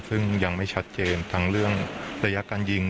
ซึ่งยังไม่ชัดเจนทั้งเรื่องระยะการยิง